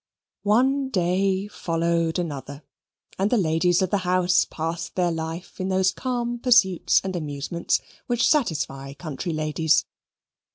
One day followed another, and the ladies of the house passed their life in those calm pursuits and amusements which satisfy country ladies.